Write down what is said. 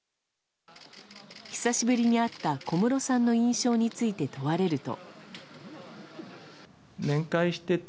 久しぶりに会った小室さんの印象について問われると。